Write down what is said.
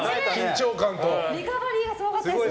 リカバリーがすごかったですね。